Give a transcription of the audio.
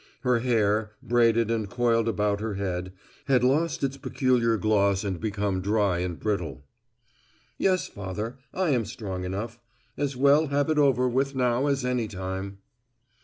Her hair, braided and coiled about her head, had lost its peculiar gloss and become dry and brittle. "Yes, Father; I am strong enough. As well have it over with now as any time."